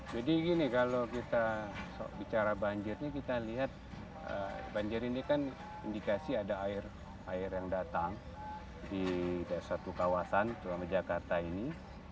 jadi gini kalau kita bicara banjirnya kita lihat banjir ini kan indikasi ada air air yang datang di satu kawasan tuan bejakarta ini